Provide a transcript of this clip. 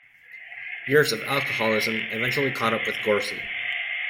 Years of alcoholism eventually caught up with Gorcey.